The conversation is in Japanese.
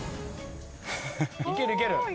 いけるいける。